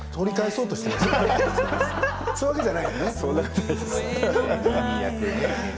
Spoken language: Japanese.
そういうわけじゃないよね。